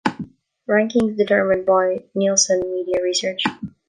"Rankings determined by Nielsen Media Research".